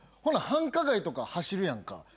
ほな繁華街とか走るやんか。